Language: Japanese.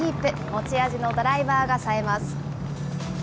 持ち味のドライバーがさえます。